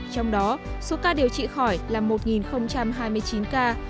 trong đó số ca điều trị khỏi là một hai mươi chín ca